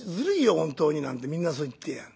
本当に』なんてみんなそう言ってやがる。